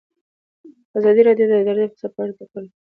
ازادي راډیو د اداري فساد په اړه د کارګرانو تجربې بیان کړي.